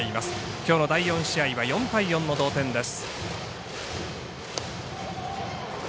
きょうの第４試合は４対４の同点です。